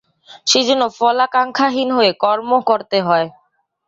সেইজন্য ফলাকাঙ্ক্ষাহীন হয়ে কর্ম করতে হয়।